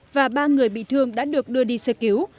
và ba người bị thương đã được đưa đi sơ cứu